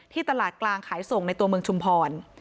ตลาดกลางขายส่งในตัวเมืองชุมพร